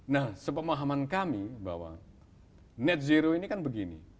nah sepemahaman kami bahwa net zero ini kan begini